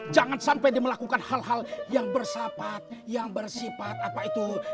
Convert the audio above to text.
jangan sampai dia melakukan hal hal yang bersapat yang bersifat apa itu